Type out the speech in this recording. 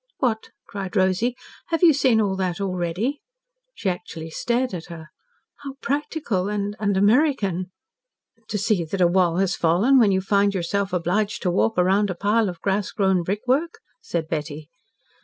"What?" cried Rosy. "Have you seen all that already?" She actually stared at her. "How practical and and American!" "To see that a wall has fallen when you find yourself obliged to walk round a pile of grass grown brickwork?" said Betty.